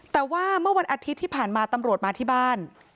แต่ว่าเมื่อวันอาทิตย์ที่ผ่านมาตำรวจมาที่บ้าน